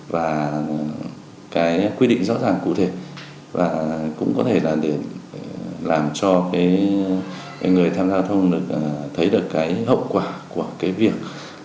và quy định rõ ràng cụ thể cũng có thể làm cho người tham gia giao thông thấy được hậu quả của việc